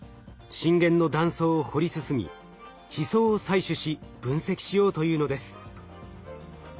震源の断層を掘り進み地層を採取し分析しようというのです。